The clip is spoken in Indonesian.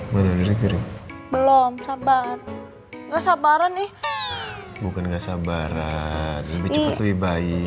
mana udah kirim belum sabar nggak sabaran nih bukan nggak sabaran lebih cepet lebih baik